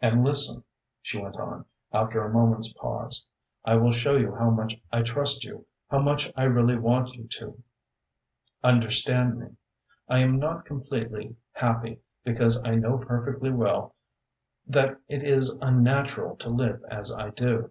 "And listen," she went on, after a moment's pause, "I will show you how much I trust you, how much I really want you to understand me. I am not completely happy because I know perfectly well that it is unnatural to live as I do.